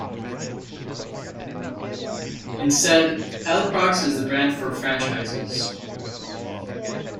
Instead, Aliprox is the brand for franchises.